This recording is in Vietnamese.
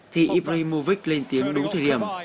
thì ibrahimovic lên tiếng đúng thời điểm